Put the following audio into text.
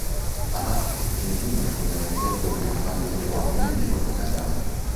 halafu kitu kingine tunaingia kwenye upande wa mwili wa binadamu